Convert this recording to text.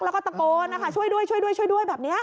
แล้วก็ตะโปรดนะคะช่วยด้วยแบบนี้